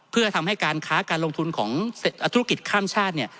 เพื่อทำให้การค้าการลงทุนของธุรกิจข้ามชาติเนี่ย